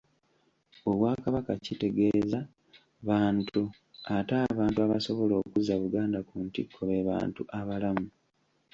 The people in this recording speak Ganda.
Obwakabaka kitegeeza bantu ate abantu abasobola okuzza Buganda ku ntikko be bantu abalamu.